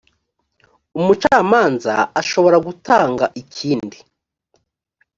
umucamanza ashobora gutanga ikindi